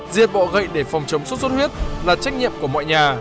diệt bọ gậy để phòng chống sốt xuất huyết là trách nhiệm của mọi nhà